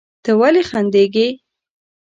ته ولې خندېږې؟